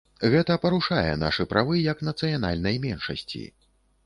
Гэта парушае нашы правы як нацыянальнай меншасці.